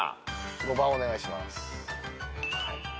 ５番お願いします。